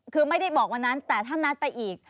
คือไม่ได้บอกวันนั้นแต่ถ้านัดไปอีก